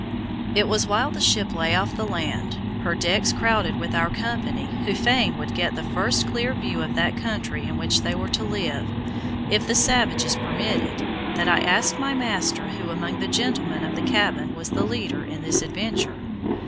It was while the ship lay off the land, her decks crowded with our company who fain would get the first clear view of that country in which they were to live, if the savages permitted, that I asked my master who among the gentlemen of the cabin was the leader in this adventure.